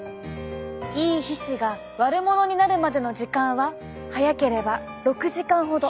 いい皮脂が悪者になるまでの時間は早ければ６時間ほど。